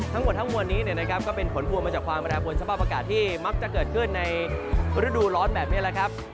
ทั้งหมดทั้งมวลนี้ก็เป็นผลพวงมาจากความแปรปวนสภาพอากาศที่มักจะเกิดขึ้นในฤดูร้อนแบบนี้แหละครับ